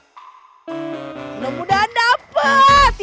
sudah mudah anda dapat ya